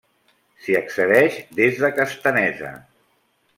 S'hi accedeix des de Castanesa.